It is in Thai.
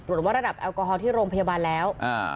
ว่าระดับแอลกอฮอลที่โรงพยาบาลแล้ว